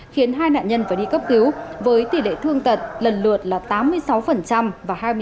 khiến hai nạn nhân phải đi cấp cứu với tỷ lệ thương tật lần lượt là tám mươi sáu và hai mươi sáu